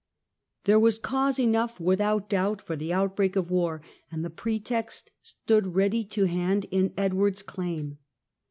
There was cause enough without doubt for the out break of war, and the pretext stood ready to hand in Edward's claim.